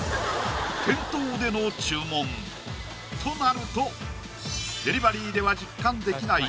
店頭での注文となるとデリバリーでは実感できない